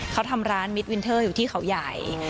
เขาทำร้านมิดวินเทอร์อยู่ที่เขาใหญ่